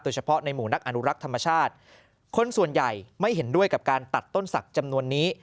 เฉพาะในหมู่นักอนุรักษ์ธรรมชาติคนส่วนใหญ่ไม่เห็นด้วยกับการตัดต้นศักดิ์จำนวนนี้